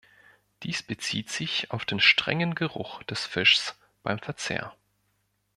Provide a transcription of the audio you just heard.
Dies bezieht sich auf den strengen Geruch des Fischs beim Verzehr.